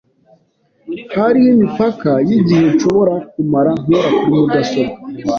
Hariho imipaka yigihe nshobora kumara nkora kuri mudasobwa.